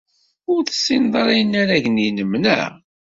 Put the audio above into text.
Ur tessineḍ ara inaragen-nnem, naɣ?